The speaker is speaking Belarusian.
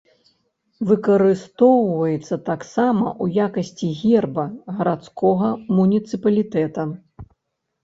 Выкарыстоўваецца таксама ў якасці герба гарадскога муніцыпалітэта.